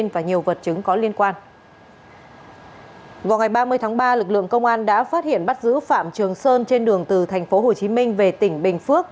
vào ngày ba mươi tháng ba lực lượng công an đã phát hiện bắt giữ phạm trường sơn trên đường từ tp hcm về tỉnh bình phước